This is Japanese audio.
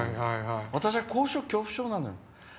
私は高所恐怖症なのよ。